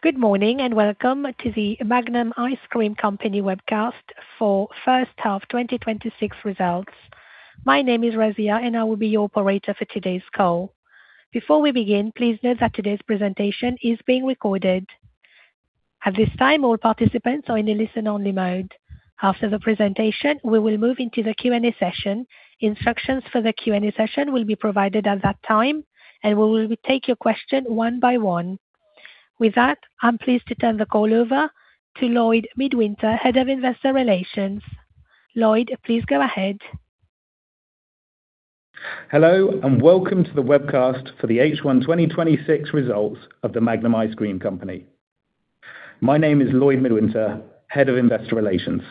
Good morning, and welcome to The Magnum Ice Cream Company webcast for first half 2026 results. My name is Razia, and I will be your operator for today's call. Before we begin, please note that today's presentation is being recorded. At this time, all participants are in a listen-only mode. After the presentation, we will move into the Q&A session. Instructions for the Q&A session will be provided at that time, and we will take your question one by one. With that, I am pleased to turn the call over to Lloyd Midwinter, Head of Investor Relations. Lloyd, please go ahead. Hello, and welcome to the webcast for the H1 2026 results of The Magnum Ice Cream Company. My name is Lloyd Midwinter, Head of Investor Relations,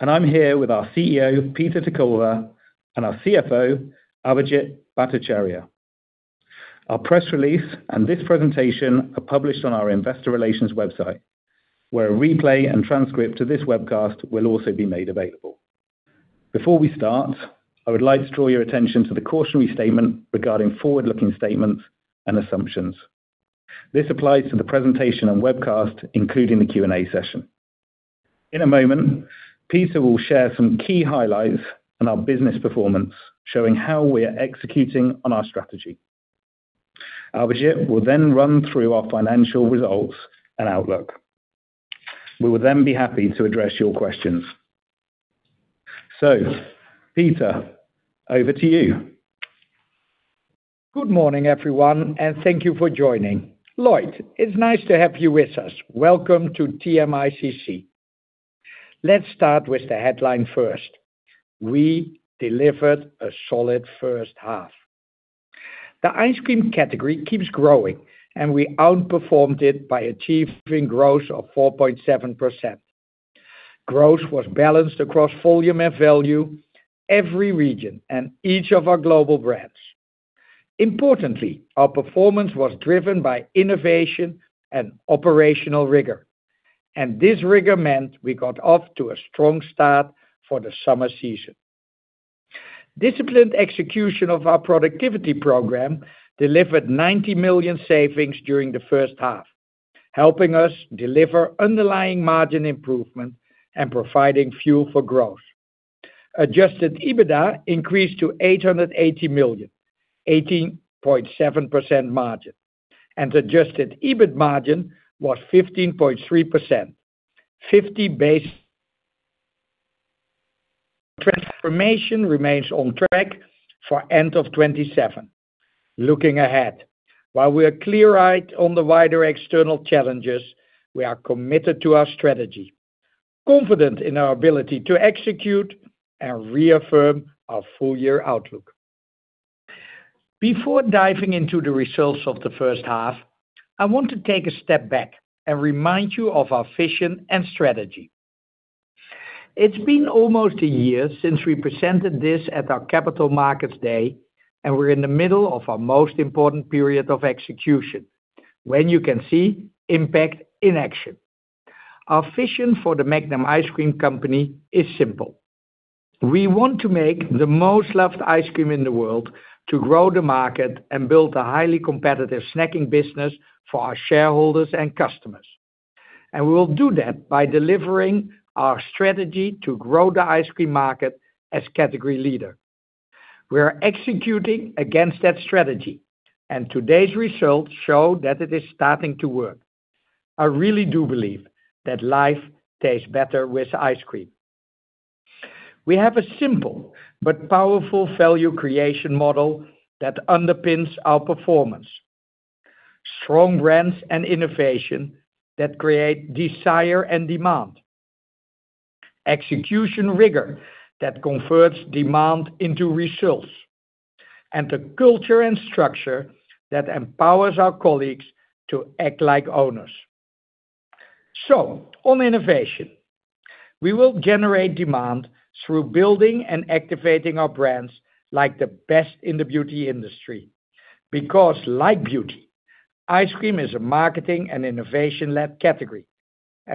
and I am here with our CEO, Peter ter Kulve, and our CFO, Abhijit Bhattacharya. Our press release and this presentation are published on our investor relations website, where a replay and transcript of this webcast will also be made available. Before we start, I would like to draw your attention to the cautionary statement regarding forward-looking statements and assumptions. This applies to the presentation and webcast, including the Q&A session. In a moment, Peter will share some key highlights on our business performance, showing how we are executing on our strategy. Abhijit will then run through our financial results and outlook. We will then be happy to address your questions. Peter, over to you. Good morning, everyone, and thank you for joining. Lloyd, it is nice to have you with us. Welcome to TMICC. Let us start with the headline first. We delivered a solid first half. The ice cream category keeps growing, and we outperformed it by achieving growth of 4.7%. Growth was balanced across volume and value, every region, and each of our global brands. Importantly, our performance was driven by innovation and operational rigor, and this rigor meant we got off to a strong start for the summer season. Disciplined execution of our productivity program delivered 90 million savings during the first half, helping us deliver underlying margin improvement and providing fuel for growth. Adjusted EBITDA increased to 880 million, 18.7% margin, and adjusted EBIT margin was 15.3%. 50 basis points. Transformation remains on track for end of 2027. Looking ahead, while we are clear-eyed on the wider external challenges, we are committed to our strategy, confident in our ability to execute, and reaffirm our full-year outlook. Before diving into the results of the first half, I want to take a step back and remind you of our vision and strategy. It has been almost a year since we presented this at our Capital Markets Day, and we are in the middle of our most important period of execution when you can see impact in action. Our vision for The Magnum Ice Cream Company is simple. We want to make the most loved ice cream in the world to grow the market and build a highly competitive snacking business for our shareholders and customers. We will do that by delivering our strategy to grow the ice cream market as category leader. We are executing against that strategy, today's results show that it is starting to work. I really do believe that life tastes better with ice cream. We have a simple but powerful value creation model that underpins our performance. Strong brands and innovation that create desire and demand, execution rigor that converts demand into results, and a culture and structure that empowers our colleagues to act like owners. On innovation, we will generate demand through building and activating our brands like the best in the beauty industry. Like beauty, ice cream is a marketing and innovation-led category,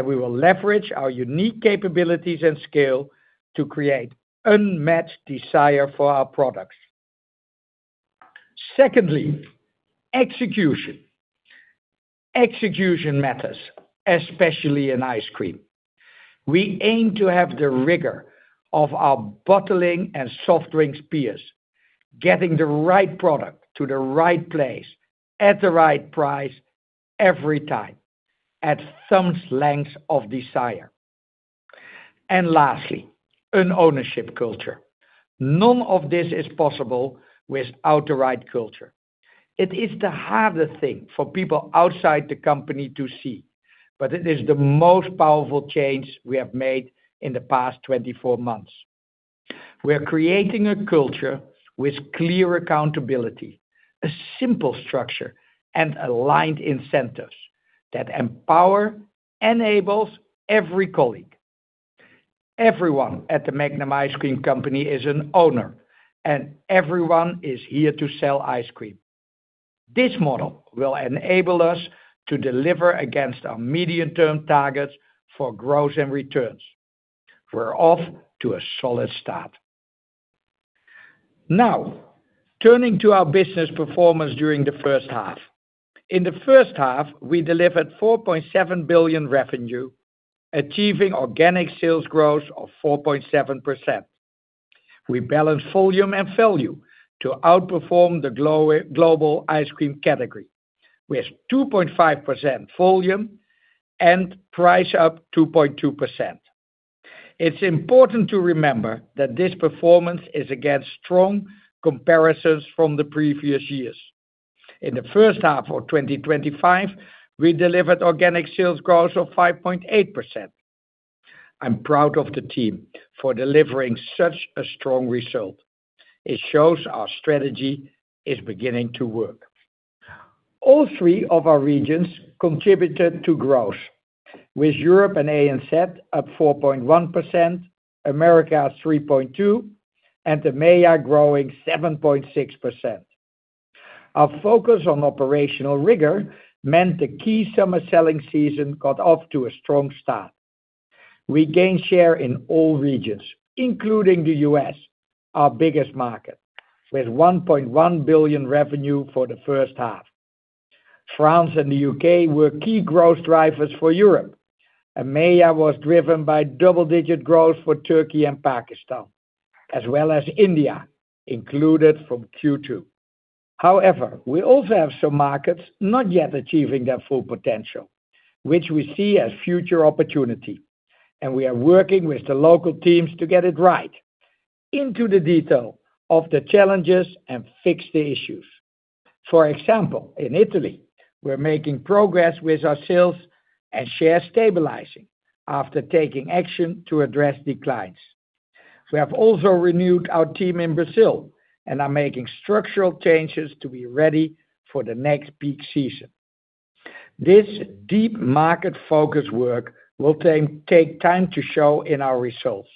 we will leverage our unique capabilities and scale to create unmatched desire for our products. Secondly, execution. Execution matters, especially in ice cream. We aim to have the rigor of our bottling and soft drinks peers, getting the right product to the right place at the right price every time, at thumb's length of desire. Lastly, an ownership culture. None of this is possible without the right culture. It is the hardest thing for people outside the company to see, but it is the most powerful change we have made in the past 24 months. We are creating a culture with clear accountability, a simple structure, and aligned incentives that empower, enables every colleague. Everyone at The Magnum Ice Cream Company is an owner, and everyone is here to sell ice cream. This model will enable us to deliver against our medium-term targets for growth and returns. We're off to a solid start. Turning to our business performance during the first half. In the first half, we delivered 4.7 billion revenue, achieving organic sales growth of 4.7%. We balanced volume and value to outperform the global ice cream category, with 2.5% volume and price up 2.2%. It's important to remember that this performance is against strong comparisons from the previous years. In the first half of 2025, we delivered organic sales growth of 5.8%. I'm proud of the team for delivering such a strong result. It shows our strategy is beginning to work. All three of our regions contributed to growth, with Europe and ANZ up 4.1%, Americas 3.2%, and the AMEA growing 7.6%. Our focus on operational rigor meant the key summer selling season got off to a strong start. We gained share in all regions, including the U.S., our biggest market, with 1.1 billion revenue for the first half. France and the U.K. were key growth drivers for Europe, AMEA was driven by double-digit growth for Turkey and Pakistan, as well as India, included from Q2. We also have some markets not yet achieving their full potential, which we see as future opportunity, and we are working with the local teams to get it right into the detail of the challenges and fix the issues. For example, in Italy, we're making progress with our sales and share stabilizing after taking action to address declines. We have also renewed our team in Brazil and are making structural changes to be ready for the next peak season. This deep market focus work will take time to show in our results,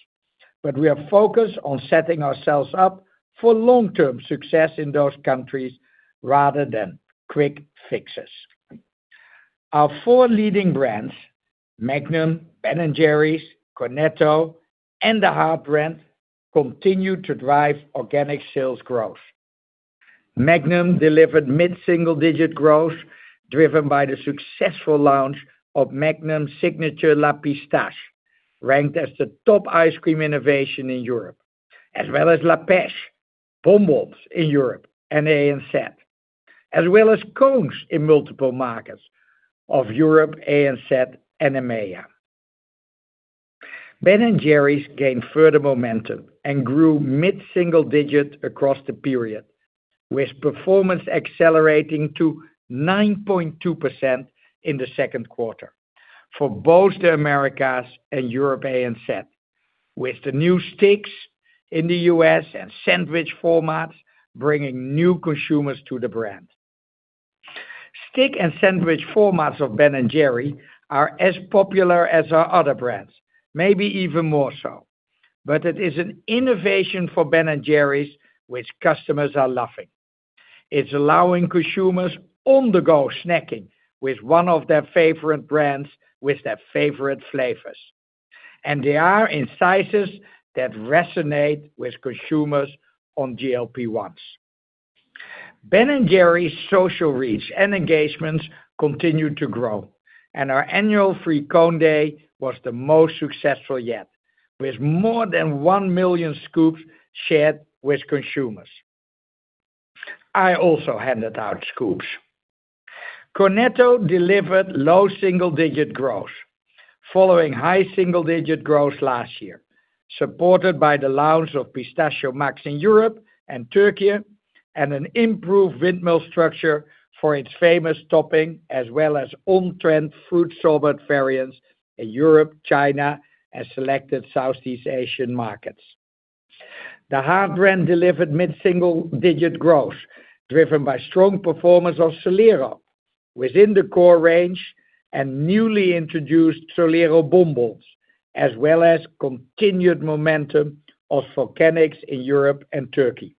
but we are focused on setting ourselves up for long-term success in those countries rather than quick fixes. Our four leading brands, Magnum, Ben & Jerry's, Cornetto, and the Heartbrand, continue to drive organic sales growth. Magnum delivered mid-single-digit growth driven by the successful launch of Magnum Signature La Pistache, ranked as the top ice cream innovation in Europe, as well as La Pêche bonbons in Europe and ANZ, as well as cones in multiple markets of Europe, ANZ, and AMEA. Ben & Jerry's gained further momentum and grew mid-single-digit across the period, with performance accelerating to 9.2% in the 2Q for both the Americas and European set, with the new sticks in the U.S. and sandwich formats bringing new consumers to the brand. Stick and sandwich formats of Ben & Jerry's are as popular as our other brands, maybe even more so. It is an innovation for Ben & Jerry's which customers are loving. It's allowing consumers on-the-go snacking with one of their favorite brands with their favorite flavors, and they are in sizes that resonate with consumers on GLP-1s. Ben & Jerry's social reach and engagements continue to grow, and our annual Free Cone Day was the most successful yet, with more than one million scoops shared with consumers. I also handed out scoops. Cornetto delivered low single-digit growth, following high single-digit growth last year, supported by the launch of Pistachio MAX in Europe and Turkey and an improved windmill structure for its famous topping, as well as on-trend fruit sorbet variants in Europe, China, and selected Southeast Asian markets. The Heartbrand delivered mid-single-digit growth, driven by strong performance of Solero within the core range and newly introduced Solero Bonbons, as well as continued momentum of Volcanix in Europe and Turkey.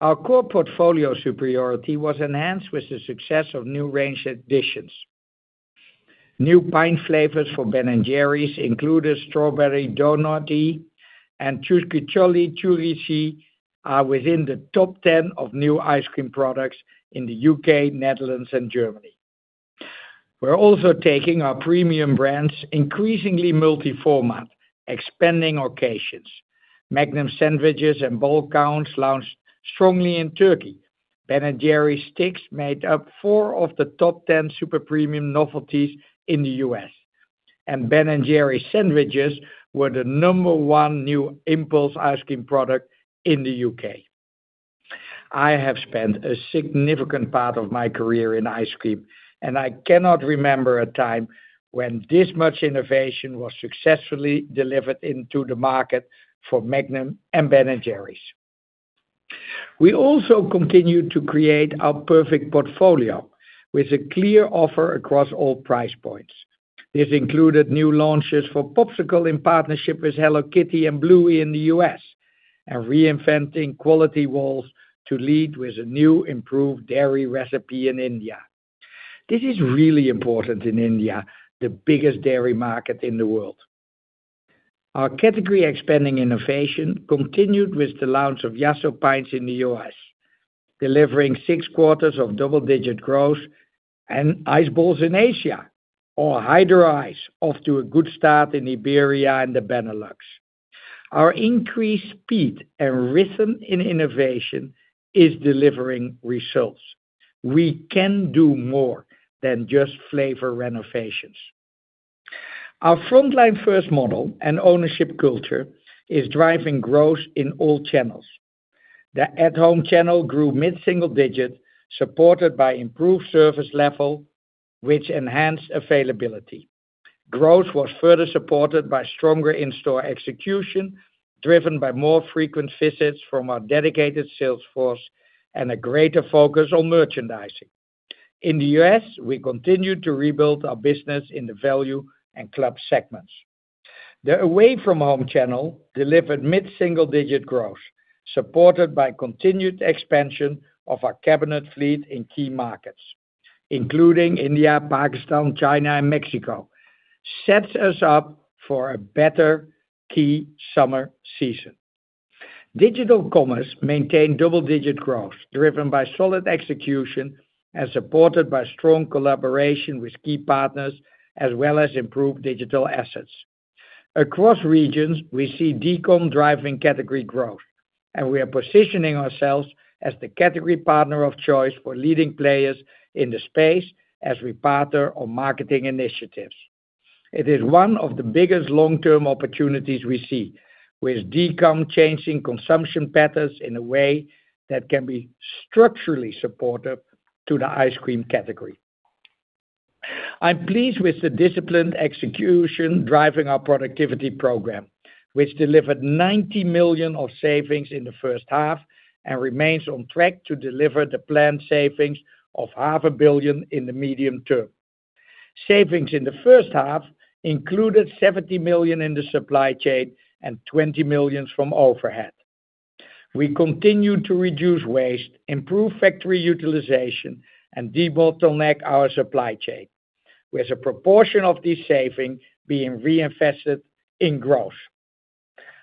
Our core portfolio superiority was enhanced with the success of new range additions. New pint flavors for Ben & Jerry's included Strawberry Doughnut-eee and Chunky Monkey are within the top 10 of new ice cream products in the U.K., Netherlands, and Germany. We're also taking our premium brands increasingly multi-format, expanding occasions. Magnum Sandwiches and bowl cones launched strongly in Turkey. Ben & Jerry's sticks made up four of the top 10 super premium novelties in the U.S., and Ben & Jerry's sandwiches were the number one new impulse ice cream product in the U.K. I have spent a significant part of my career in ice cream, and I cannot remember a time when this much innovation was successfully delivered into the market for Magnum and Ben & Jerry's. We also continued to create our perfect portfolio with a clear offer across all price points. This included new launches for Popsicle in partnership with Hello Kitty and Bluey in the U.S. and reinventing Kwality Wall's to lead with a new improved dairy recipe in India. This is really important in India, the biggest dairy market in the world. Our category expanding innovation continued with the launch of Yasso pints in the U.S., delivering six quarters of double-digit growth, and Ice Balls in Asia, or Hydro:ICE, off to a good start in Iberia and the Benelux. Our increased speed and rhythm in innovation is delivering results. We can do more than just flavor renovations. Our frontline first model and ownership culture is driving growth in all channels. The At-Home channel grew mid-single-digit, supported by improved service level, which enhanced availability. Growth was further supported by stronger in-store execution, driven by more frequent visits from our dedicated sales force and a greater focus on merchandising. In the U.S., we continued to rebuild our business in the value and club segments. The Away-from-Home channel delivered mid-single-digit growth, supported by continued expansion of our cabinet fleet in key markets, including India, Pakistan, China and Mexico, sets us up for a better key summer season. Digital Commerce maintained double-digit growth, driven by solid execution and supported by strong collaboration with key partners as well as improved digital assets. Across regions, we see dCom driving category growth, and we are positioning ourselves as the category partner of choice for leading players in the space as we partner on marketing initiatives. It is one of the biggest long-term opportunities we see, with dCom changing consumption patterns in a way that can be structurally supportive to the ice cream category. I'm pleased with the disciplined execution driving our productivity program, which delivered 90 million of savings in the first half and remains on track to deliver the planned savings of 500,000,000 In the medium term. Savings in the first half included 70 million in the supply chain and 20 million from overhead. We continue to reduce waste, improve factory utilization, and debottleneck our supply chain, with a proportion of this saving being reinvested in growth.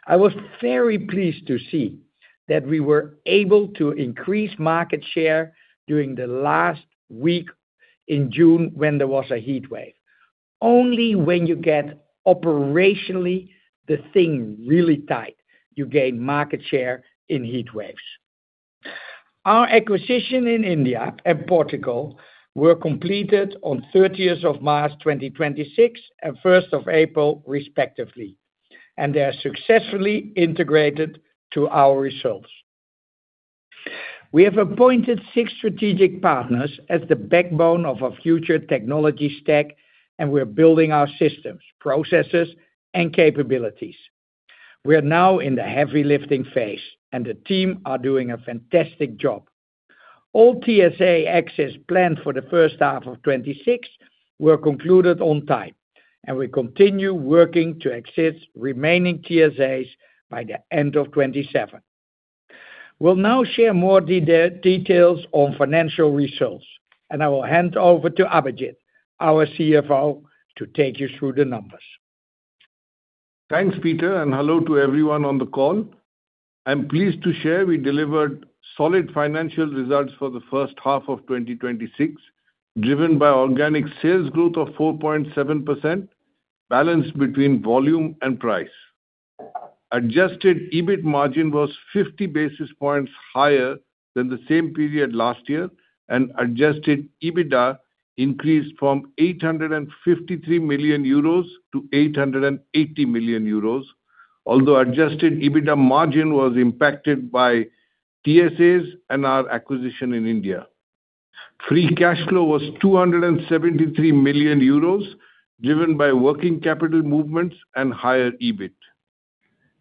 I was very pleased to see that we were able to increase market share during the last week in June when there was a heatwave. Only when you get operationally the thing really tight, you gain market share in heatwaves. Our acquisition in India and Portugal were completed on March 30th, 2026 and April 1st, respectively, and they are successfully integrated to our results. We have appointed six strategic partners as the backbone of our future technology stack, and we're building our systems, processes, and capabilities. We are now in the heavy lifting phase, and the team are doing a fantastic job. All TSA exits planned for the first half of 2026 were concluded on time, and we continue working to exit remaining TSAs by the end of 2027. We'll now share more details on financial results, and I will hand over to Abhijit, our CFO, to take you through the numbers. Thanks, Peter, and hello to everyone on the call. I'm pleased to share we delivered solid financial results for the first half of 2026, driven by organic sales growth of 4.7%, balanced between volume and price. Adjusted EBIT margin was 50 basis points higher than the same period last year, and adjusted EBITDA increased from 853 million-880 million euros, although adjusted EBITDA margin was impacted by TSAs and our acquisition in India. Free cash flow was 273 million euros, driven by working capital movements and higher EBIT.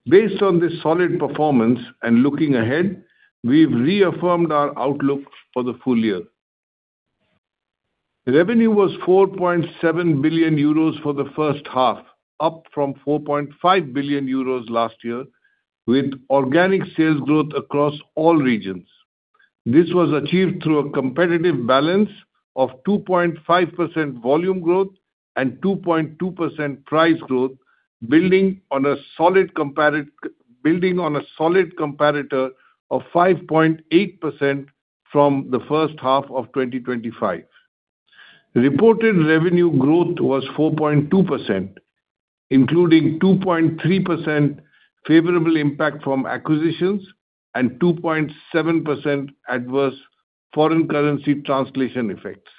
Based on this solid performance and looking ahead, we've reaffirmed our outlook for the full year. Revenue was 4.7 billion euros for the first half, up from 4.5 billion euros last year, with organic sales growth across all regions. This was achieved through a competitive balance of 2.5% volume growth and 2.2% price growth, building on a solid comparator of 5.8% from the first half of 2025. Reported revenue growth was 4.2%, including 2.3% favorable impact from acquisitions and 2.7% adverse foreign currency translation effects.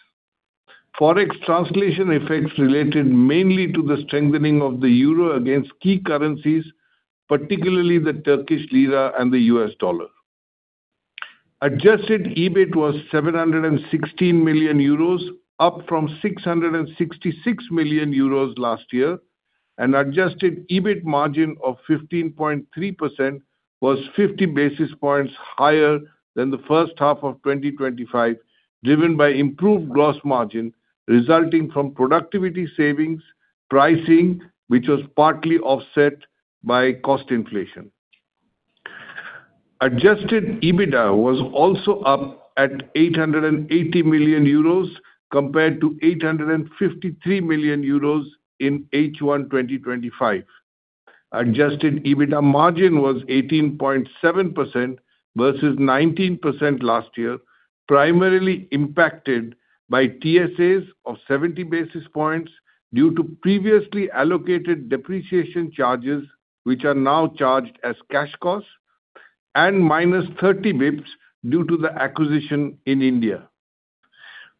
Forex translation effects related mainly to the strengthening of the euro against key currencies, particularly the Turkish lira and the U.S. dollar. Adjusted EBIT was 716 million euros, up from 666 million euros last year, and adjusted EBIT margin of 15.3% was 50 basis points higher than the first half of 2025, driven by improved gross margin resulting from productivity savings, pricing, which was partly offset by cost inflation. Adjusted EBITDA was also up at 880 million euros compared to 853 million euros in H1 2025. Adjusted EBITDA margin was 18.7% versus 19% last year, primarily impacted by TSAs of 70 basis points due to previously allocated depreciation charges, which are now charged as cash costs, and -30 basis points due to the acquisition in India.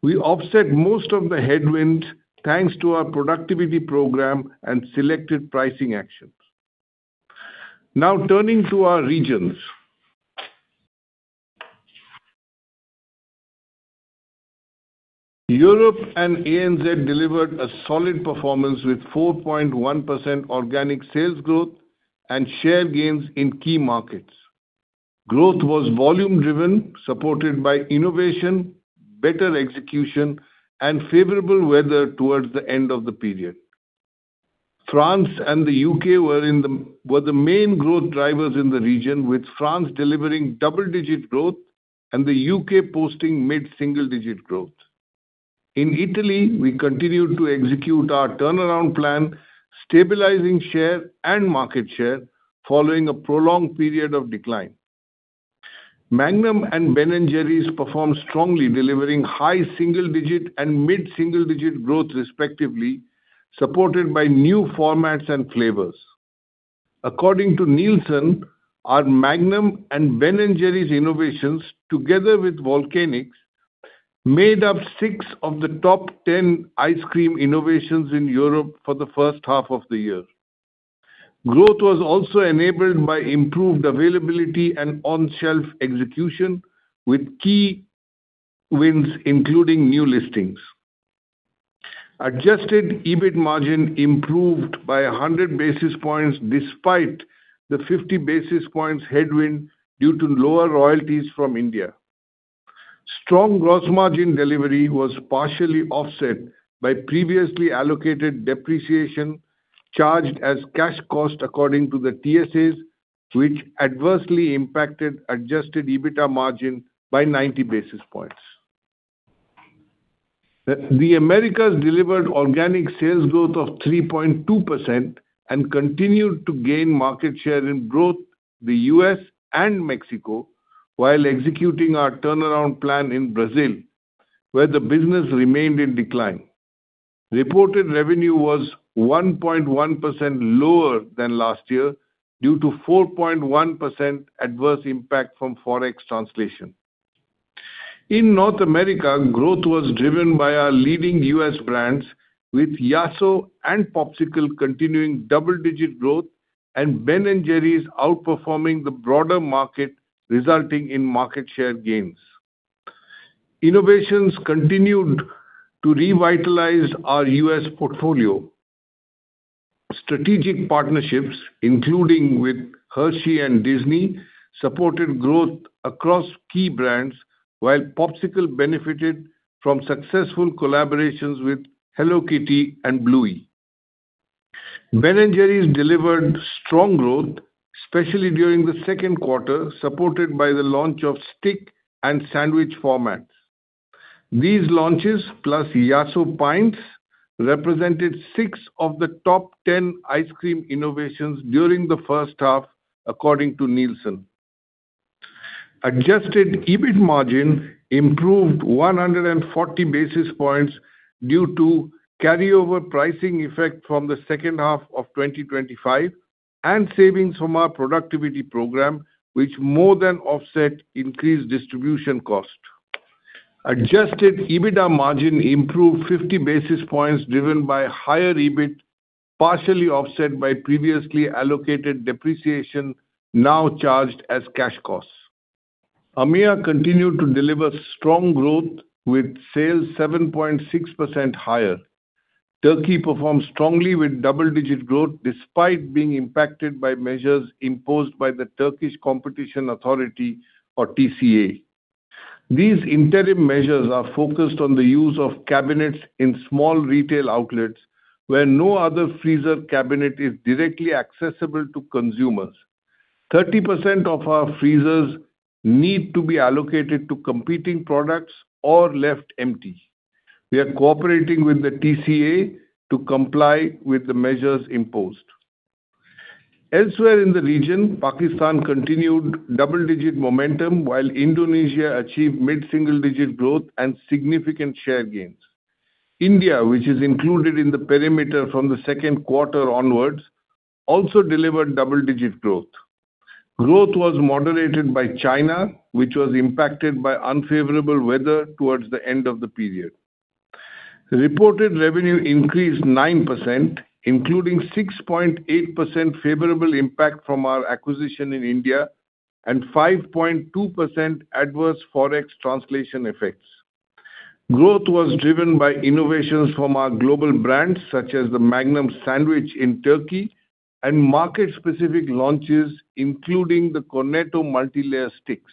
We offset most of the headwind thanks to our productivity program and selected pricing actions. Turning to our regions. Europe and ANZ delivered a solid performance with 4.1% organic sales growth and share gains in key markets. Growth was volume driven, supported by innovation, better execution, and favorable weather towards the end of the period. France and the U.K. were the main growth drivers in the region, with France delivering double-digit growth and the U.K. posting mid-single digit growth. In Italy, we continued to execute our turnaround plan, stabilizing share and market share following a prolonged period of decline. Magnum and Ben & Jerry's performed strongly, delivering high single-digit and mid-single digit growth, respectively, supported by new formats and flavors. According to Nielsen, our Magnum and Ben & Jerry's innovations, together with Volcanix, made up six of the top 10 ice cream innovations in Europe for the first half of the year. Growth was also enabled by improved availability and on-shelf execution with key wins, including new listings. Adjusted EBIT margin improved by 100 basis points despite the 50 basis points headwind due to lower royalties from India. Strong gross margin delivery was partially offset by previously allocated depreciation charged as cash cost according to the TSAs, which adversely impacted adjusted EBITDA margin by 90 basis points. The Americas delivered organic sales growth of 3.2% and continued to gain market share and growth, the U.S. and Mexico, while executing our turnaround plan in Brazil, where the business remained in decline. Reported revenue was 1.1% lower than last year due to 4.1% adverse impact from Forex translation. In North America, growth was driven by our leading U.S. brands, with Yasso and Popsicle continuing double-digit growth and Ben & Jerry's outperforming the broader market, resulting in market share gains. Innovations continued to revitalize our U.S. portfolio. Strategic partnerships, including with Hershey and Disney, supported growth across key brands, while Popsicle benefited from successful collaborations with Hello Kitty and Bluey. Ben & Jerry's delivered strong growth, especially during the second quarter, supported by the launch of stick and sandwich formats. These launches, plus Yasso pints, represented six of the top 10 ice cream innovations during the first half according to Nielsen. Adjusted EBIT margin improved 140 basis points due to carryover pricing effect from the second half of 2025 and savings from our productivity program, which more than offset increased distribution cost. Adjusted EBITDA margin improved 50 basis points, driven by higher EBIT, partially offset by previously allocated depreciation now charged as cash costs. AMEA continued to deliver strong growth with sales 7.6% higher. Turkey performed strongly with double-digit growth despite being impacted by measures imposed by the Turkish Competition Authority or TCA. These interim measures are focused on the use of cabinets in small retail outlets where no other freezer cabinet is directly accessible to consumers. 30% of our freezers need to be allocated to competing products or left empty. We are cooperating with the TCA to comply with the measures imposed. Elsewhere in the region, Pakistan continued double-digit momentum while Indonesia achieved mid-single digit growth and significant share gains. India, which is included in the perimeter from the second quarter onwards, also delivered double-digit growth. Growth was moderated by China, which was impacted by unfavorable weather towards the end of the period. Reported revenue increased 9%, including 6.8% favorable impact from our acquisition in India and 5.2% adverse Forex translation effects. Growth was driven by innovations from our global brands, such as the Magnum Sandwich in Turkey and market specific launches, including the Cornetto multi-layer sticks.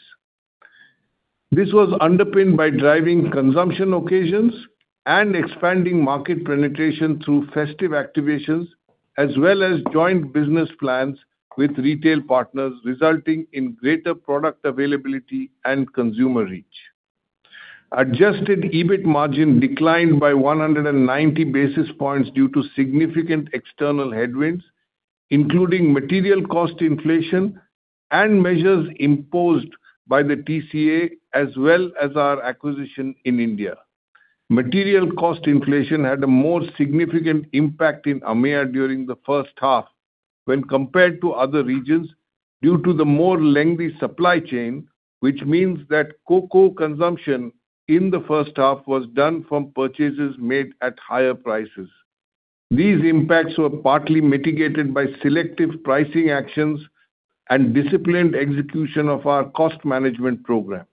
This was underpinned by driving consumption occasions and expanding market penetration through festive activations, as well as joint business plans with retail partners, resulting in greater product availability and consumer reach. Adjusted EBIT margin declined by 190 basis points due to significant external headwinds, including material cost inflation and measures imposed by the TCA, as well as our acquisition in India. Material cost inflation had a more significant impact in AMEA during the first half when compared to other regions due to the more lengthy supply chain, which means that cocoa consumption in the first half was done from purchases made at higher prices. These impacts were partly mitigated by selective pricing actions and disciplined execution of our cost management program.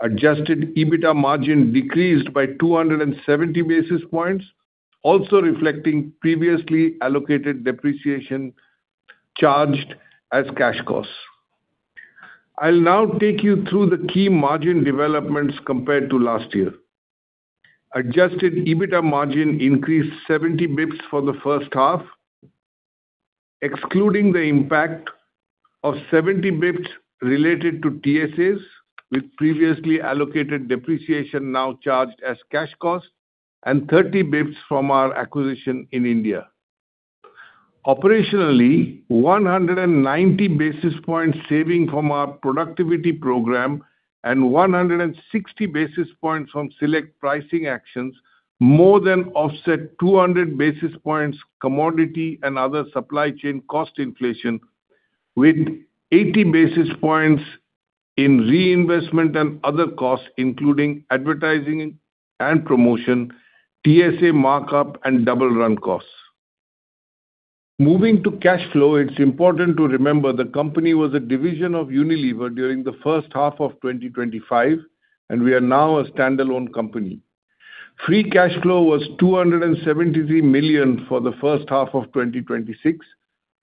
Adjusted EBITDA margin decreased by 270 basis points, also reflecting previously allocated depreciation charged as cash costs. I will now take you through the key margin developments compared to last year. Adjusted EBITDA margin increased 70 basis points for the first half, excluding the impact of 70 basis points related to TSAs, with previously allocated depreciation now charged as cash cost and 30 basis points from our acquisition in India. Operationally, 190 basis points saving from our productivity program and 160 basis points from select pricing actions more than offset 200 basis points commodity and other supply chain cost inflation, with 80 basis points in reinvestment and other costs, including advertising and promotion, TSA markup, and double-run costs. Moving to cash flow, it is important to remember the company was a division of Unilever during the first half of 2025, and we are now a standalone company. Free cash flow was 273 million for the first half of 2026,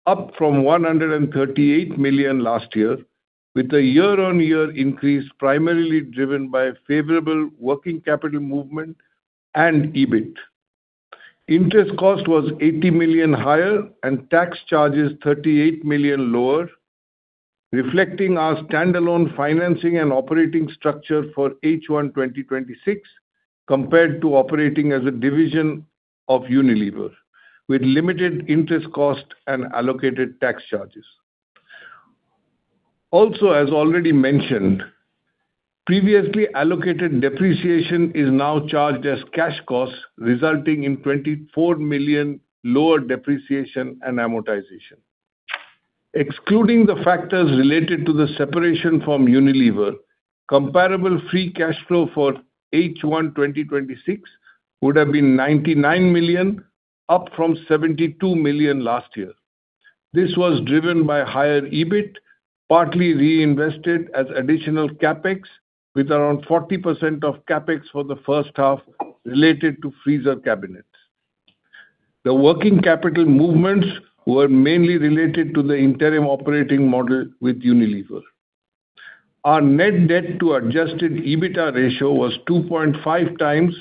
up from 138 million last year, with the year-on-year increase primarily driven by favorable working capital movement and EBIT. Interest cost was 80 million higher and tax charges 38 million lower, reflecting our standalone financing and operating structure for H1 2026 compared to operating as a division of Unilever, with limited interest cost and allocated tax charges. As already mentioned, previously allocated depreciation is now charged as cash costs, resulting in 24 million lower depreciation and amortization. Excluding the factors related to the separation from Unilever, comparable free cash flow for H1 2026 would have been 99 million, up from 72 million last year. This was driven by higher EBIT, partly reinvested as additional CapEx, with around 40% of CapEx for the first half related to freezer cabinets. The working capital movements were mainly related to the interim operating model with Unilever. Our net debt to adjusted EBITDA ratio was 2.5x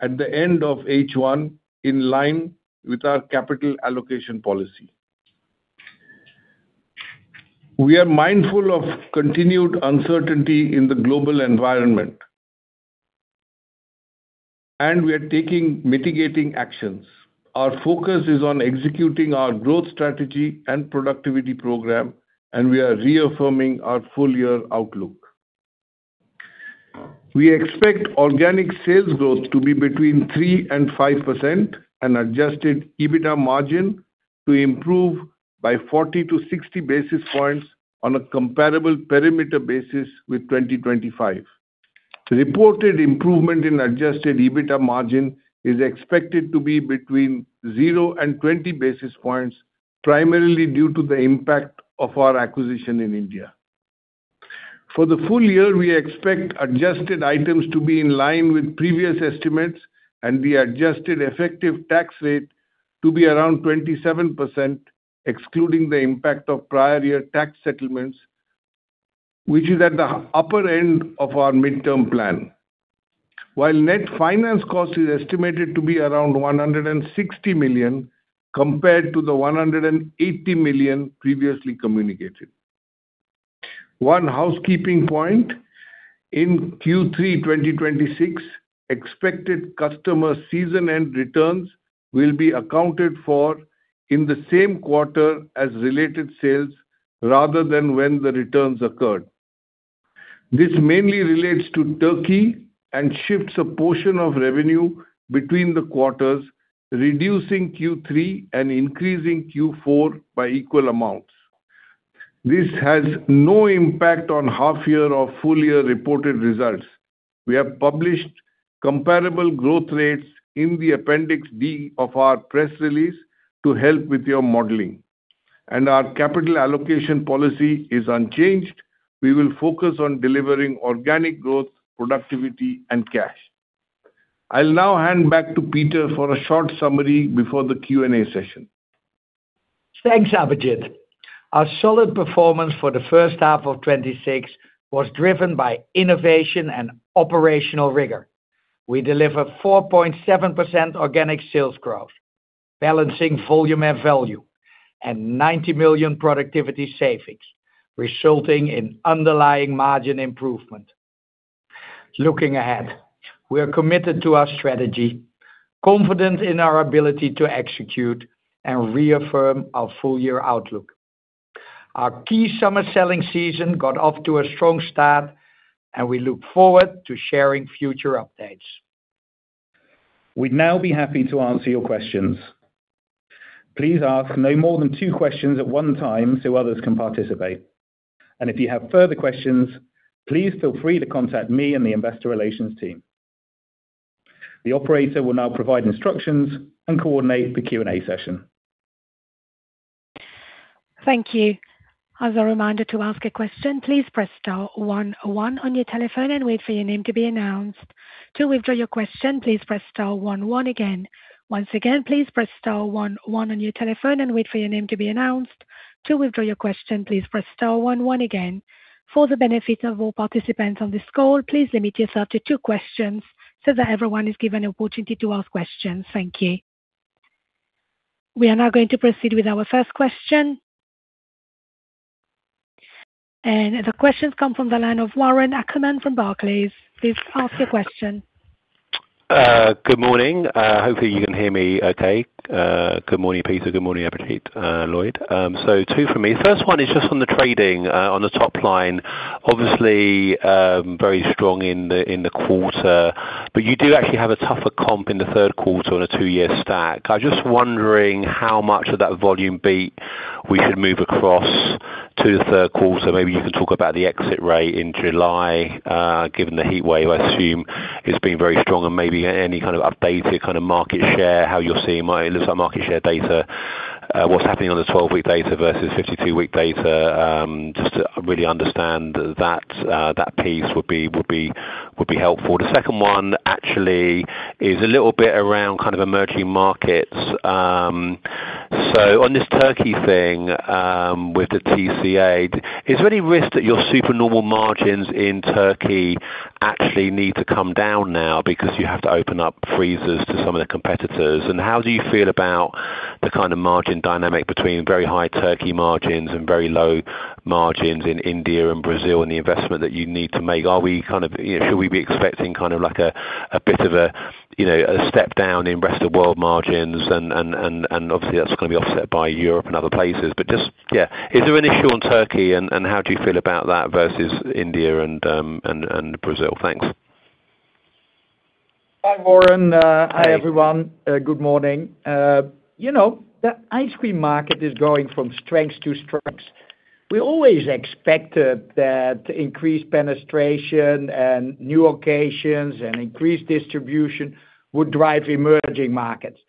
at the end of H1, in line with our capital allocation policy. We are mindful of continued uncertainty in the global environment, and we are taking mitigating actions. Our focus is on executing our growth strategy and productivity program, and we are reaffirming our full year outlook. We expect organic sales growth to be between 3% and 5% and adjusted EBITDA margin to improve by 40-60 basis points on a comparable perimeter basis with 2025. Reported improvement in adjusted EBITDA margin is expected to be between 0 basis points and 20 basis points, primarily due to the impact of our acquisition in India. For the full year, we expect adjusted items to be in line with previous estimates and the adjusted effective tax rate to be around 27%, excluding the impact of prior year tax settlements, which is at the upper end of our midterm plan. Net finance cost is estimated to be around 160 million compared to the 180 million previously communicated. One housekeeping point, in Q3 2026, expected customer seasonal returns will be accounted for in the same quarter as related sales rather than when the returns occurred. This mainly relates to Turkey and shifts a portion of revenue between the quarters, reducing Q3 and increasing Q4 by equal amounts. This has no impact on half year or full year reported results. We have published comparable growth rates in the Appendix D of our press release to help with your modeling, and our capital allocation policy is unchanged. We will focus on delivering organic growth, productivity, and cash. I'll now hand back to Peter for a short summary before the Q&A session. Thanks, Abhijit. Our solid performance for the first half of 2026 was driven by innovation and operational rigor. We delivered 4.7% organic sales growth, balancing volume and value, and 90 million productivity savings, resulting in underlying margin improvement. Looking ahead, we are committed to our strategy, confident in our ability to execute, and reaffirm our full-year outlook. Our key summer selling season got off to a strong start, and we look forward to sharing future updates. We'd now be happy to answer your questions. Please ask no more than two questions at one time so others can participate. If you have further questions, please feel free to contact me and the investor relations team. The operator will now provide instructions and coordinate the Q&A session. Thank you. As a reminder to ask a question, please press star one one on your telephone and wait for your name to be announced. To withdraw your question, please press star one one again. Once again, please press star one one on your telephone and wait for your name to be announced. To withdraw your question, please press star one one again. For the benefit of all participants on this call, please limit yourself to two questions so that everyone is given an opportunity to ask questions. Thank you. The questions come from the line of Warren Ackerman from Barclays. Please ask your question. Good morning. Hopefully you can hear me okay. Good morning, Peter. Good morning, Abhijit, Lloyd. Two from me. First one is just on the trading on the top line, obviously, very strong in the quarter, but you do actually have a tougher comp in the third quarter on a two-year stack. I was just wondering how much of that volume beat we should move across to the third quarter. Maybe you can talk about the exit rate in July, given the heat wave. I assume it's been very strong. Maybe any kind of updated kind of market share, how you're seeing market share data, what's happening on the 12-week data versus 52-week data. Just to really understand that piece would be helpful. The second one actually is a little bit around kind of emerging markets. On this Turkey thing, with the TCA, is there any risk that your super normal margins in Turkey actually need to come down now because you have to open up freezers to some of the competitors? How do you feel about the kind of margin dynamic between very high Turkey margins and very low margins in India and Brazil and the investment that you need to make? Should we be expecting kind of like a bit of a step down in rest of world margins? Obviously, that's going to be offset by Europe and other places. Just, yeah, is there an issue on Turkey, and how do you feel about that versus India and Brazil? Thanks. Hi, Warren. Hi. Hi, everyone. Good morning. The ice cream market is going from strength to strength. We always expected that increased penetration and new occasions and increased distribution would drive emerging markets.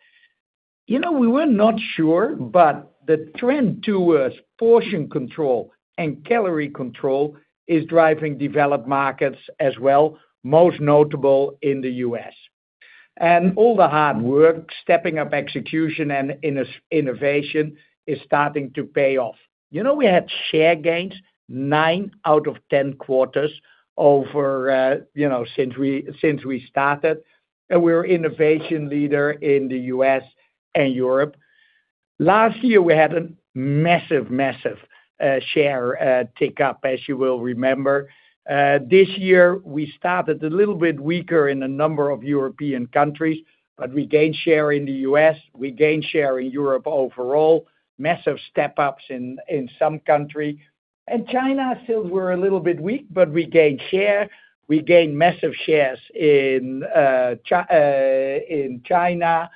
We were not sure, but the trend towards portion control and calorie control is driving developed markets as well, most notable in the U.S. All the hard work, stepping up execution and innovation is starting to pay off. We had share gains nine out of 10 quarters since we started, and we're innovation leader in the U.S. and Europe. Last year, we had a massive share tick up, as you will remember. This year, we started a little bit weaker in a number of European countries, but we gained share in the U.S., we gained share in Europe overall, massive step-ups in some countries. In China, still we're a little bit weak, but we gained share. We gained massive shares in China.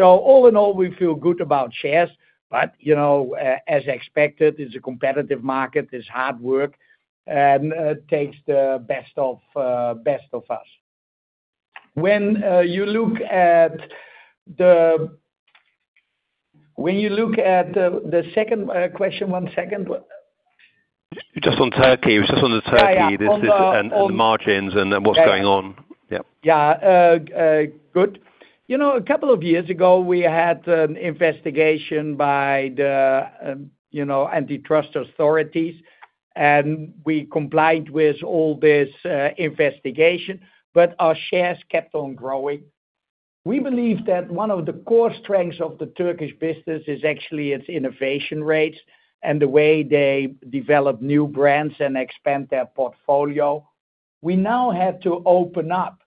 All in all, we feel good about shares, but as expected, it's a competitive market, it's hard work, and takes the best of us. When you look at the second question, one second. Just on Turkey. Yeah. The margins, then what's going on. Yep. Yeah. Good. A couple of years ago, we had an investigation by the antitrust authorities. We complied with all this investigation. Our shares kept on growing. We believe that one of the core strengths of the Turkish business is actually its innovation rates and the way they develop new brands and expand their portfolio. We now have to open up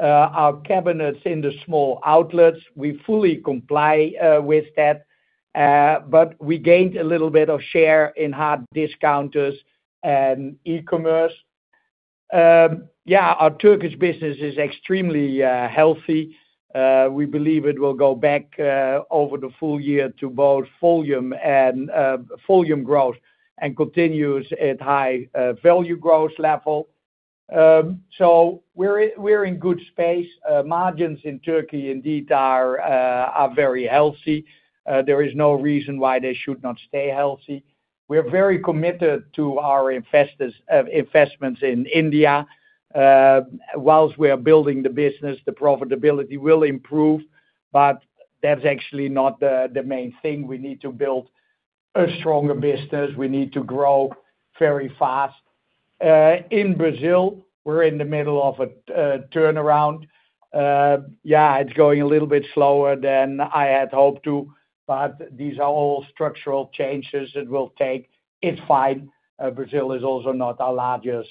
our cabinets in the small outlets. We fully comply with that. We gained a little bit of share in hard discounters and e-commerce. Yeah, our Turkish business is extremely healthy. We believe it will go back over the full year to both volume growth and continues at high value growth level. We're in good space. Margins in Turkey indeed are very healthy. There is no reason why they should not stay healthy. We're very committed to our investments in India. Whilst we are building the business, the profitability will improve. That's actually not the main thing. We need to build a stronger business. We need to grow very fast. In Brazil, we're in the middle of a turnaround. Yeah, it's going a little bit slower than I had hoped to. These are all structural changes it will take. It's fine. Brazil is also not our largest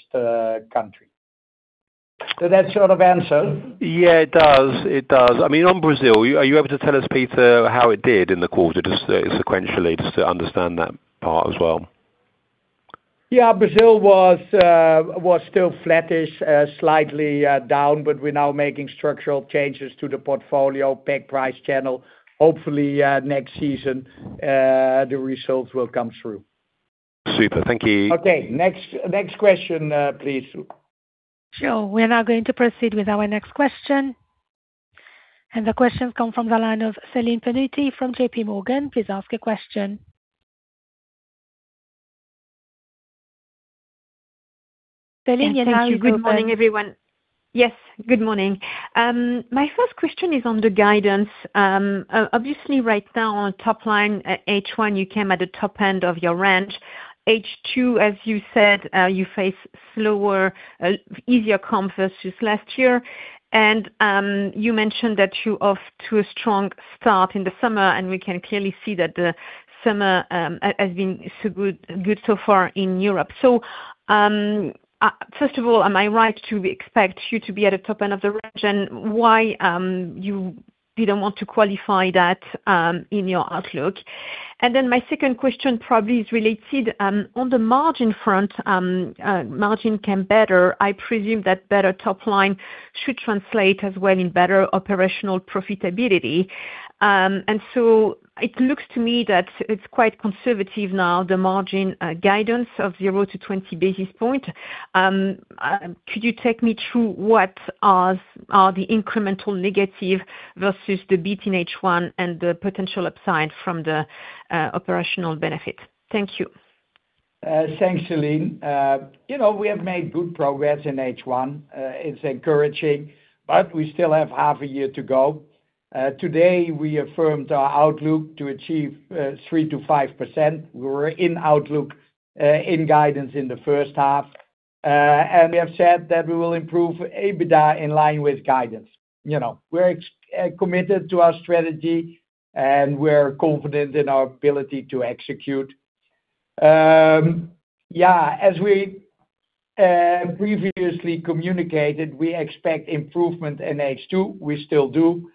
country. Does that sort of answer? Yeah, it does. On Brazil, are you able to tell us, Peter, how it did in the quarter, just sequentially, just to understand that part as well? Yeah. Brazil was still flattish, slightly down. We're now making structural changes to the portfolio, pack price channel. Hopefully, next season, the results will come through. Super. Thank you. Okay, next question, please. Sure. We are now going to proceed with our next question. The question comes from the line of Celine Pannuti from JPMorgan. Please ask your question. Celine, you're now open. Thank you. Good morning, everyone. Yes. Good morning. My first question is on the guidance. Obviously, right now on top line, H1, you came at the top end of your range. H2, as you said, you face slower, easier comp versus last year. You mentioned that you're off to a strong start in the summer, and we can clearly see that the summer has been so good so far in Europe. First of all, am I right to expect you to be at the top end of the range, and why you didn't want to qualify that in your outlook? My second question probably is related. On the margin front, margin came better. I presume that better top line should translate as well in better operational profitability. It looks to me that it's quite conservative now, the margin guidance of 0-20 basis points. Could you take me through what are the incremental negative versus the beat in H1 and the potential upside from the operational benefit? Thank you. Thanks, Celine. We have made good progress in H1. It's encouraging, but we still have half a year to go. Today, we affirmed our outlook to achieve 3%-5%. We were in outlook in guidance in the first half. We have said that we will improve EBITDA in line with guidance. We're committed to our strategy, and we're confident in our ability to execute. As we previously communicated, we expect improvement in H2. We still do.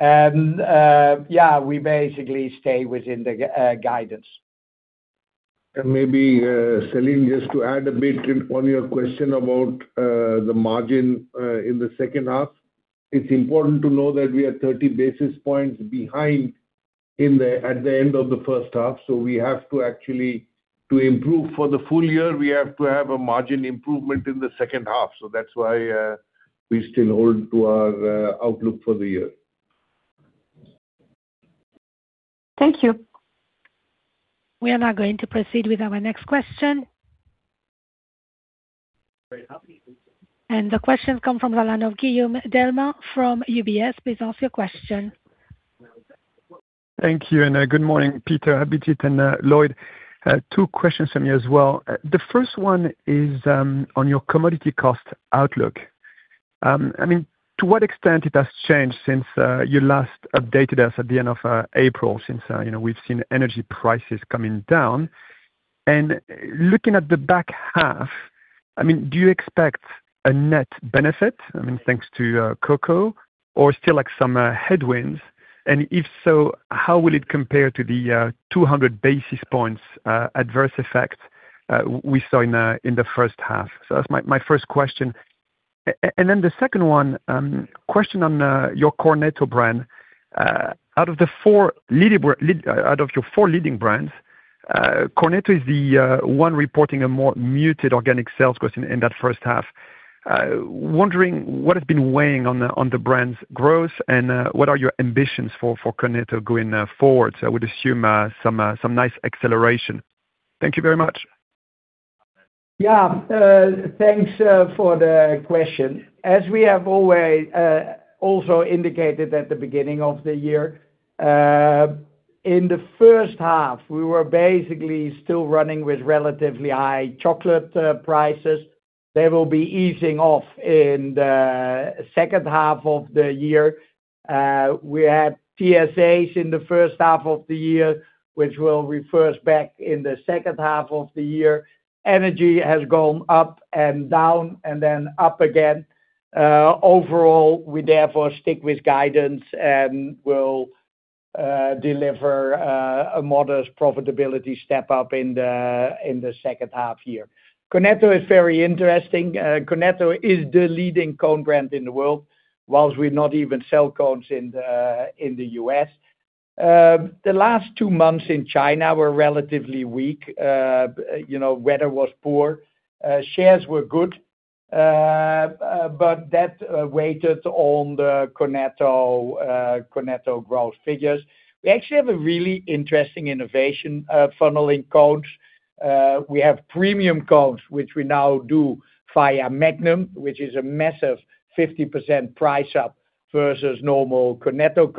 We basically stay within the guidance. Maybe, Celine, just to add a bit on your question about the margin in the second half. It's important to know that we are 30 basis points behind at the end of the first half. To improve for the full year, we have to have a margin improvement in the second half. That's why we still hold to our outlook for the year. Thank you. We are now going to proceed with our next question. The question comes from the line of Guillaume Delmas from UBS. Please ask your question. Thank you, and good morning, Peter, Abhijit, and Lloyd. Two questions from me as well. The first one is on your commodity cost outlook. To what extent it has changed since you last updated us at the end of April, since we've seen energy prices coming down. Looking at the back half, do you expect a net benefit, thanks to cocoa, or still some headwinds? If so, how will it compare to the 200 basis points adverse effect we saw in the first half? That's my first question. The second one, question on your Cornetto brand. Out of your four leading brands, Cornetto is the one reporting a more muted organic sales growth in that first half. Wondering what has been weighing on the brand's growth and what are your ambitions for Cornetto going forward? I would assume some nice acceleration. Thank you very much. Yeah. Thanks for the question. As we have also indicated at the beginning of the year, in the first half, we were basically still running with relatively high chocolate prices. They will be easing off in the second half of the year. We had TSAs in the first half of the year, which will reverse back in the second half of the year. Energy has gone up and down, and then up again. Overall, we therefore stick with guidance and will deliver a modest profitability step up in the second half year. Cornetto is very interesting. Cornetto is the leading cone brand in the world, whilst we not even sell cones in the U.S. The last two months in China were relatively weak. Weather was poor. Shares were good. That waited on the Cornetto growth figures. We actually have a really interesting innovation funneling cones. We have premium cones, which we now do via Magnum, which is a massive 50% price up versus normal Cornetto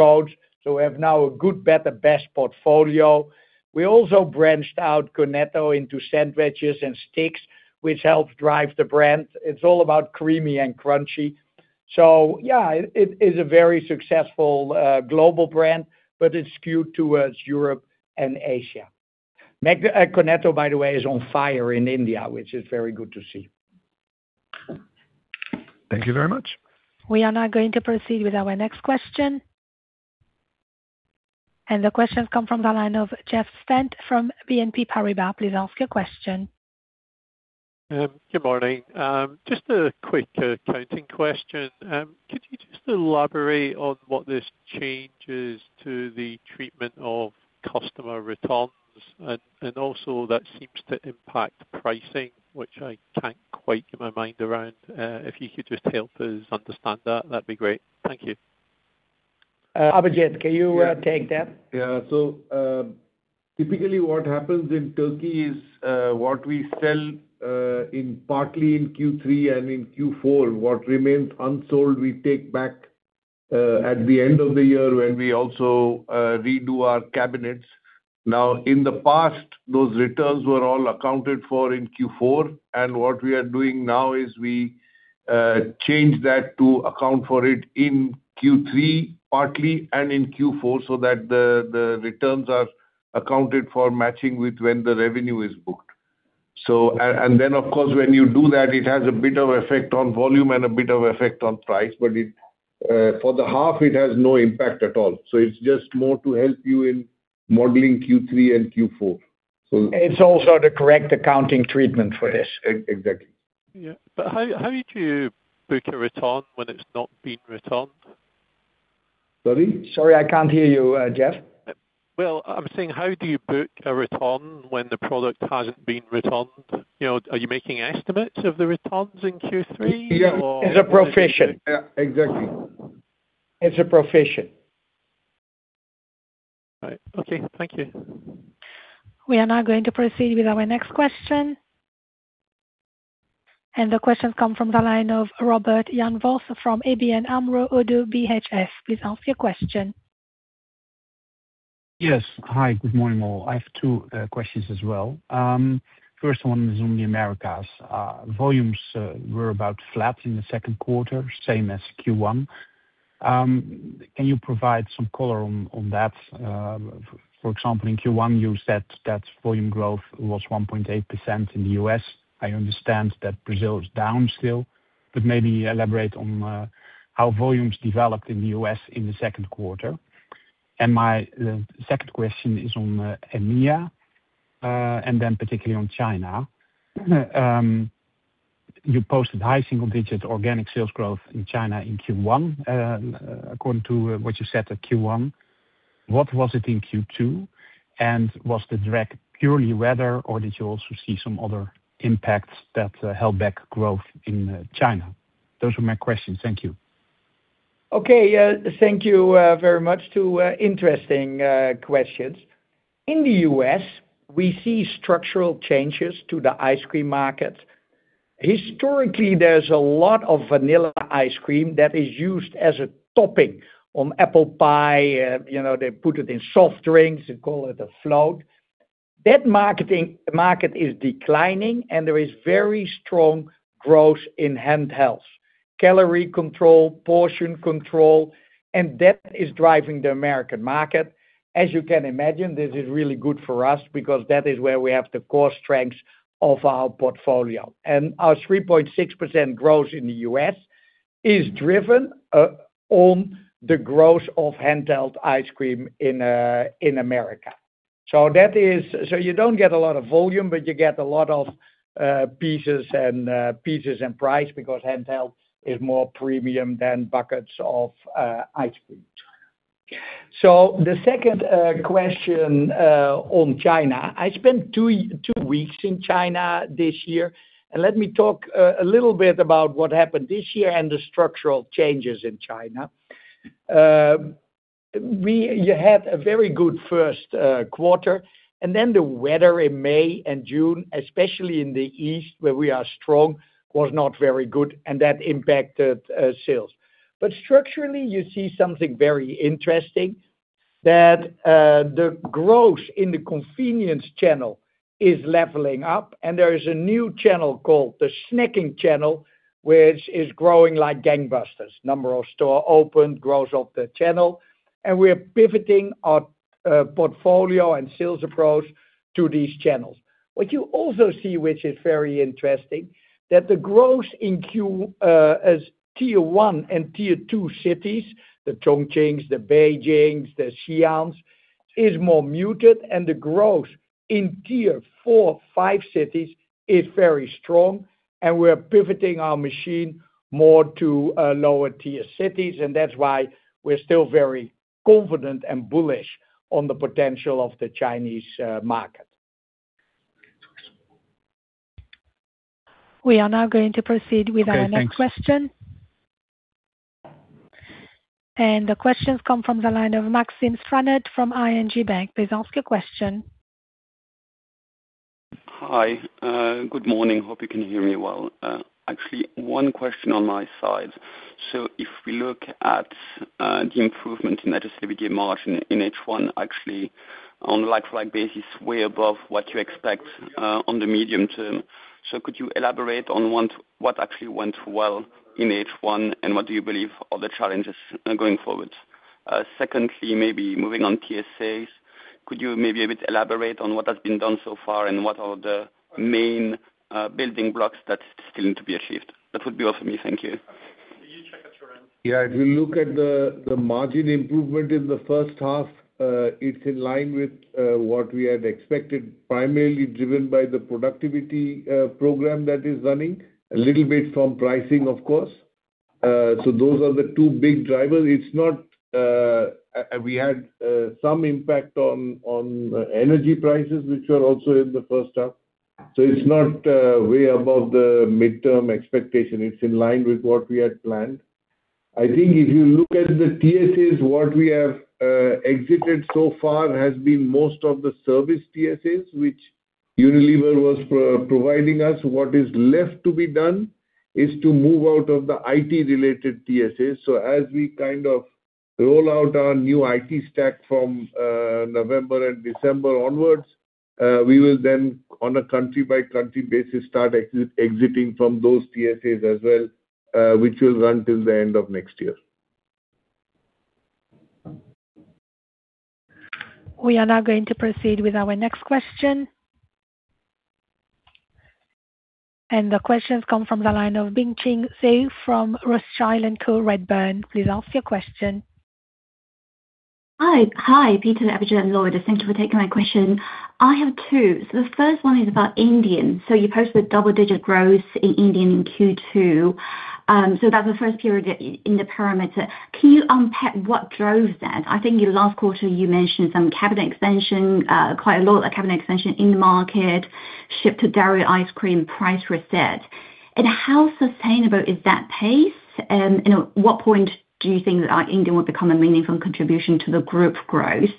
cones. We have now a good, better, best portfolio. We also branched out Cornetto into sandwiches and sticks, which helped drive the brand. It's all about creamy and crunchy. Yeah, it is a very successful global brand, but it's skewed towards Europe and Asia. Cornetto, by the way, is on fire in India, which is very good to see. Thank you very much. We are now going to proceed with our next question. The question comes from the line of Jeff Stent from BNP Paribas. Please ask your question. Good morning. Just a quick accounting question. Could you just elaborate on what this change is to the treatment of customer returns and also that seems to impact pricing, which I can't quite get my mind around. If you could just help us understand that'd be great. Thank you. Abhijit, can you take that? Yeah. Typically what happens in Turkey is, what we sell partly in Q3 and in Q4, what remains unsold, we take back at the end of the year when we also redo our cabinets. In the past, those returns were all accounted for in Q4, what we are doing now is we change that to account for it in Q3 partly and in Q4, that the returns are accounted for matching with when the revenue is booked. Then, of course, when you do that, it has a bit of effect on volume and a bit of effect on price. For the half, it has no impact at all. It's just more to help you in modeling Q3 and Q4. It's also the correct accounting treatment for this. Exactly. Yeah. How did you book a return when it's not been returned? Sorry, I can't hear you, Jeff. Well, I'm saying how do you book a return when the product hasn't been returned? Are you making estimates of the returns in Q3 or? It's a provision. Yeah. Exactly. It's a provision. All right. Okay. Thank you. We are now going to proceed with our next question. The question comes from the line of Robert Jan Vos from ABN AMRO-ODDO BHF. Please ask your question. Yes. Hi, good morning, all. I have two questions as well. First one is on the Americas. Volumes were about flat in the second quarter, same as Q1. Can you provide some color on that? For example, in Q1 you said that volume growth was 1.8% in the U.S. I understand that Brazil is down still, maybe elaborate on how volumes developed in the U.S. in the second quarter. My second question is on AMEA, particularly on China. You posted high single-digit organic sales growth in China in Q1, according to what you said at Q1, what was it in Q2? Was the drag purely weather or did you also see some other impacts that held back growth in China? Those are my questions. Thank you. Okay. Thank you very much. Two interesting questions. In the U.S., we see structural changes to the ice cream market. Historically, there is a lot of vanilla ice cream that is used as a topping on apple pie. They put it in soft drinks, they call it a float. That market is declining, there is very strong growth in handhelds, calorie control, portion control, that is driving the American market. As you can imagine, this is really good for us because that is where we have the core strengths of our portfolio. Our 3.2% growth in the U.S. is driven on the growth of handheld ice cream in America. You don't get a lot of volume, you get a lot of pieces and price because handheld is more premium than buckets of ice cream. The second question on China. I spent two weeks in China this year, let me talk a little bit about what happened this year and the structural changes in China. We had a very good first quarter, the weather in May and June, especially in the East, where we are strong, was not very good, that impacted sales. Structurally, you see something very interesting that the growth in the convenience channel is leveling up, there is a new channel called the snacking channel, which is growing like gangbusters. Number of store opened, growth of the channel, we are pivoting our portfolio and sales approach to these channels. What you also see, which is very interesting, that the growth in Tier 1 and Tier 2 cities, the Chongqing, the Beijing, the Xi'an, is more muted, the growth in Tier 4, Tier 5 cities is very strong, we are pivoting our machine more to lower tier cities, that is why we are still very confident and bullish on the potential of the Chinese market. We are now going to proceed with our next question. Okay, thanks. The question comes from the line of Maxime Stranart from ING Bank. Please ask your question. Hi. Good morning. Hope you can hear me well. Actually, one question on my side. If we look at the improvement in adjusted EBITDA margin in H1, actually on a like-for-like basis, way above what you expect on the medium term. Could you elaborate on what actually went well in H1, and what do you believe are the challenges going forward? Secondly, maybe moving on TSAs, could you maybe a bit elaborate on what has been done so far, and what are the main building blocks that's still to be achieved? That would be all from me. Thank you. If you look at the margin improvement in the first half, it's in line with what we had expected, primarily driven by the productivity program that is running. A little bit from pricing, of course. Those are the two big drivers. We had some impact on energy prices, which were also in the first half. It's not way above the midterm expectation. It's in line with what we had planned. I think if you look at the TSAs, what we have exited so far has been most of the service TSAs, which Unilever was providing us. What is left to be done is to move out of the IT-related TSAs. As we roll out our new IT stack from November and December onwards, we will then, on a country-by-country basis, start exiting from those TSAs as well, which will run till the end of next year. We are now going to proceed with our next question. The question comes from the line of Bingqing Zhu from Rothschild & Co Redburn. Please ask your question. Hi, Peter, Abhijit, and Lloyd. Thank you for taking my question. I have two. The first one is about India. You posted double-digit growth in India in Q2. That's the first period in the parameter. Can you unpack what drove that? I think in the last quarter, you mentioned some cabinet expansion, quite a lot of cabinet expansion in the market, shift to dairy ice cream, price reset. How sustainable is that pace? At what point do you think that India will become a meaningful contribution to the group growth?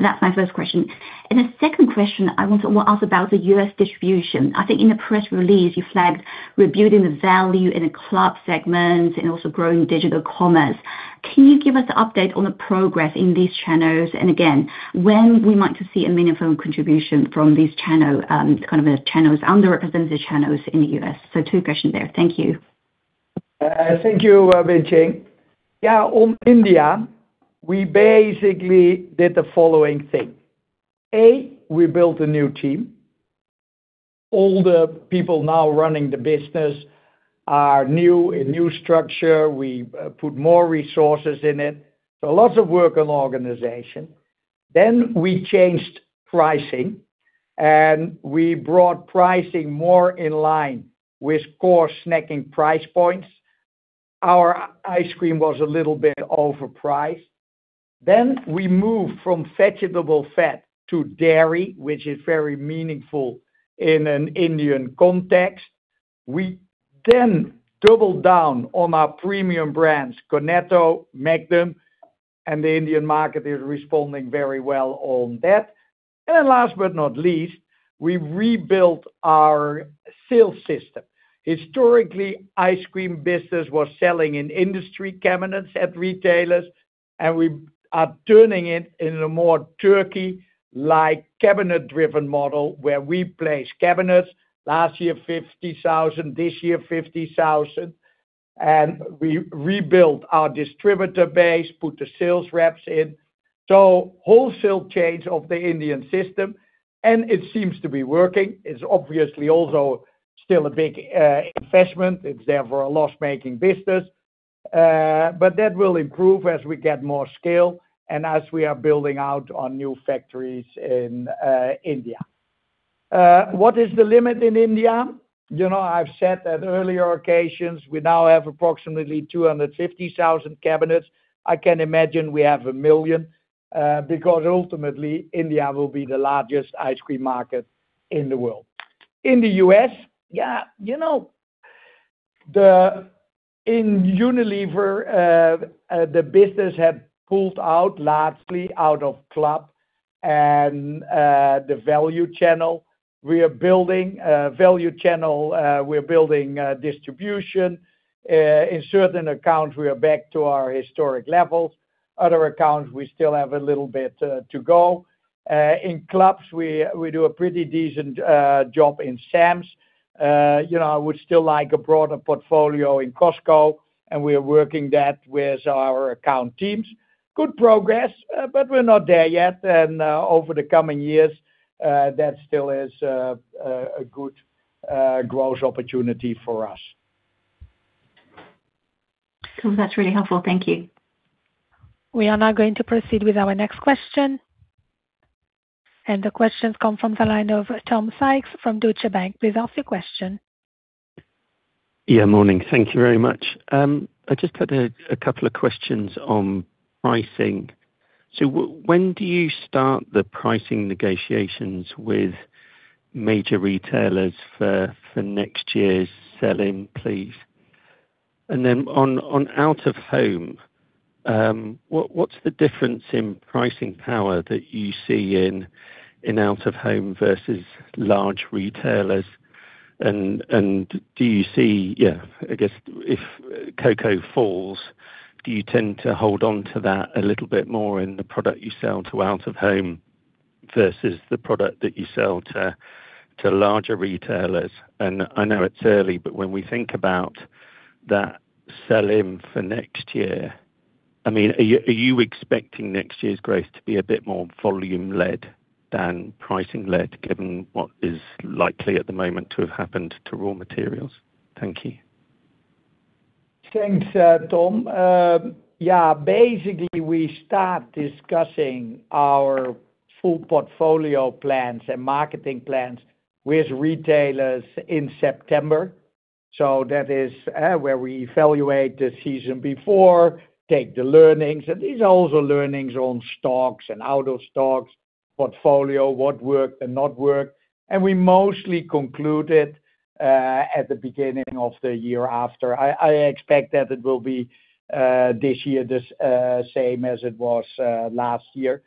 That's my first question. The second question I want to ask about the U.S. distribution. I think in the press release, you flagged rebuilding the value in a club segment and also growing digital commerce. Can you give us an update on the progress in these channels? Again, when we might see a meaningful contribution from these channels, kind of underrepresented channels in the U.S. Two questions there. Thank you. Thank you, Bingqing. On India, we basically did the following thing. A, we built a new team. All the people now running the business are new, a new structure. We put more resources in it. Lots of work on organization. We changed pricing, and we brought pricing more in line with core snacking price points. Our ice cream was a little bit overpriced. We moved from vegetable fat to dairy, which is very meaningful in an Indian context. We doubled down on our premium brands, Cornetto, Magnum, and the Indian market is responding very well on that. Last but not least, we rebuilt our sales system. Historically, ice cream business was selling in industry cabinets at retailers, and we are turning it in a more Turkey-like cabinet-driven model, where we place cabinets, last year, 50,000, this year, 50,000. We rebuilt our distributor base, put the sales reps in. Wholesale change of the Indian system, and it seems to be working. It's obviously also still a big investment. It's therefore a loss-making business. That will improve as we get more scale and as we are building out on new factories in India. What is the limit in India? I've said at earlier occasions, we now have approximately 250,000 cabinets. I can imagine we have a million, because ultimately, India will be the largest ice cream market in the world. In the U.S., in Unilever, the business had pulled out largely out of club and the value channel. We are building a value channel. We're building distribution. In certain accounts, we are back to our historic levels. Other accounts, we still have a little bit to go. In clubs, we do a pretty decent job in Sam's Club. I would still like a broader portfolio in Costco, and we are working that with our account teams. Good progress, but we're not there yet. Over the coming years, that still is a good growth opportunity for us. Cool. That's really helpful. Thank you. We are now going to proceed with our next question. The question comes from the line of Tom Sykes from Deutsche Bank. Please ask your question Yeah, morning. Thank you very much. I just had a couple of questions on pricing. When do you start the pricing negotiations with major retailers for next year's sell-in, please? On Away-from-Home, what's the difference in pricing power that you see in Away-from-Home versus large retailers? Do you see, I guess, if cocoa falls, do you tend to hold on to that a little bit more in the product you sell to Away-from-Home versus the product that you sell to larger retailers? I know it's early, but when we think about that sell-in for next year, are you expecting next year's growth to be a bit more volume led than pricing led, given what is likely at the moment to have happened to raw materials? Thank you. Thanks, Tom. Yeah. Basically, we start discussing our full portfolio plans and marketing plans with retailers in September. That is where we evaluate the season before, take the learnings, and these are also learnings on stocks and out-of-stocks, portfolio, what worked and not worked. We mostly conclude it at the beginning of the year after. I expect that it will be this year the same as it was last year.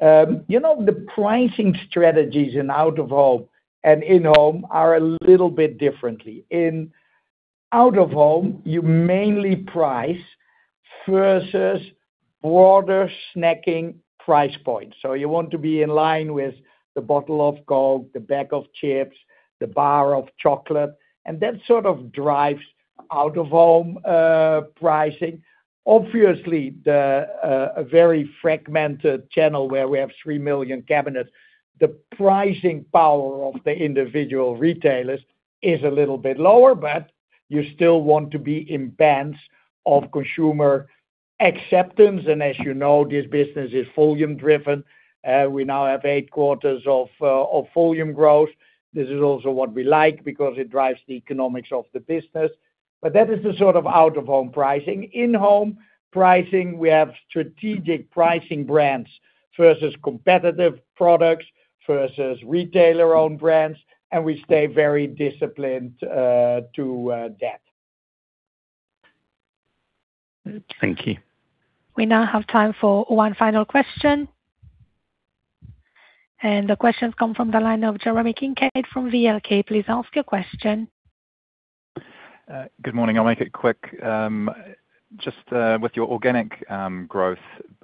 The pricing strategies in Away-from-Home and At-Home are a little bit differently. In Away-from-Home, you mainly price versus broader snacking price points. You want to be in line with the bottle of Coke, the bag of chips, the bar of chocolate, and that sort of drives Away-from-Home pricing. Obviously, a very fragmented channel where we have three million cabinets. The pricing power of the individual retailers is a little bit lower, but you still want to be in bands of consumer acceptance. As you know, this business is volume driven. We now have eight quarters of volume growth. This is also what we like because it drives the economics of the business. That is the sort of Away-from-Home pricing. At-Home pricing, we have strategic pricing brands versus competitive products, versus retailer-owned brands, and we stay very disciplined to that. Thank you. We now have time for one final question. The question comes from the line of Jeremy Kincaid from VLK. Please ask your question. Good morning. I'll make it quick. Just with your organic growth,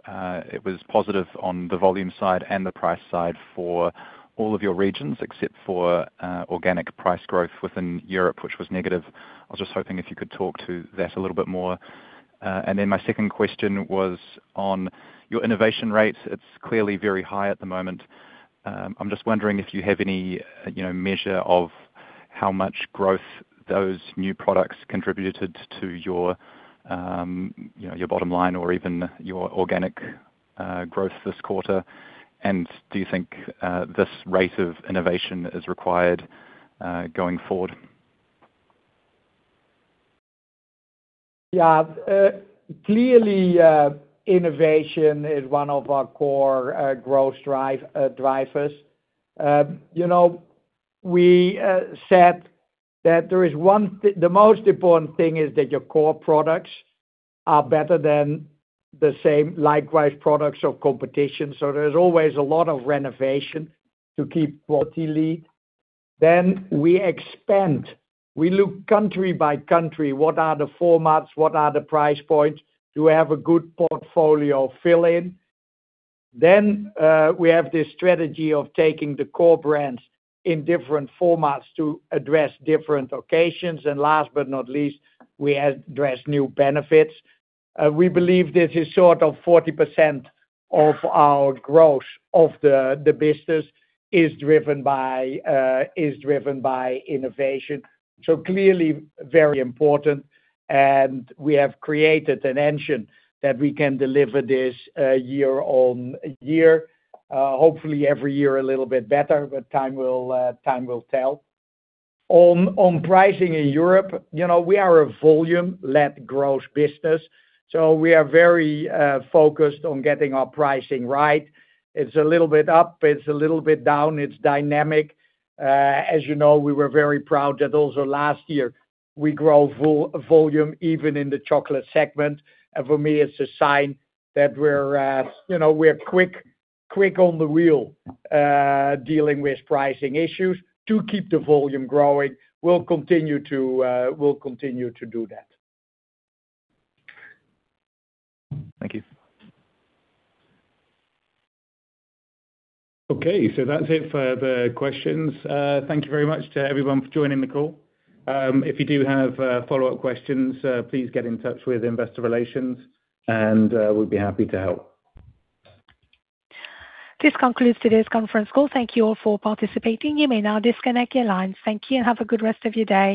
it was positive on the volume side and the price side for all of your regions except for organic price growth within Europe, which was negative. I was just hoping if you could talk to that a little bit more. Then my second question was on your innovation rates. It's clearly very high at the moment. I'm just wondering if you have any measure of how much growth those new products contributed to your bottom line or even your organic growth this quarter. Do you think this rate of innovation is required going forward? Yeah. Clearly, innovation is one of our core growth drivers. We said that the most important thing is that your core products are better than the same likewise products of competition. There's always a lot of renovation to keep quality lead. We expand. We look country by country. What are the formats? What are the price points? Do we have a good portfolio fill in? We have this strategy of taking the core brands in different formats to address different occasions. Last but not least, we address new benefits. We believe this is sort of 40% of our growth of the business is driven by innovation. Clearly, very important. We have created an engine that we can deliver this year on year, hopefully every year a little bit better, but time will tell. On pricing in Europe, we are a volume-led growth business. We are very focused on getting our pricing right. It's a little bit up, it's a little bit down, it's dynamic. As you know, we were very proud that also last year, we grow volume even in the chocolate segment. For me, it's a sign that we're quick on the wheel dealing with pricing issues to keep the volume growing. We'll continue to do that. Thank you. Okay, that's it for the questions. Thank you very much to everyone for joining the call. If you do have follow-up questions, please get in touch with Investor Relations and we'd be happy to help. This concludes today's conference call. Thank you all for participating. You may now disconnect your lines. Thank you and have a good rest of your day.